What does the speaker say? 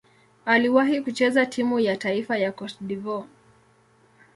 Aliwahi kucheza timu ya taifa ya Cote d'Ivoire.